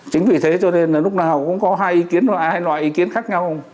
chính vì thế cho nên là lúc nào cũng có hai loại ý kiến khác nhau